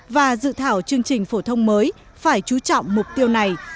và dự thảo chương trình phổ thông mới phải chú trọng mục tiêu này